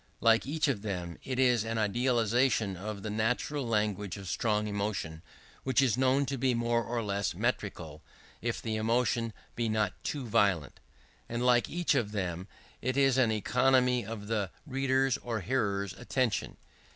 Like each of them, it is an idealization of the natural language of strong emotion, which is known to be more or less metrical if the emotion be not too violent; and like each of them it is an economy of the reader's or hearer's attention.